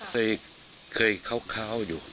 เคยเคยเค้าอยู่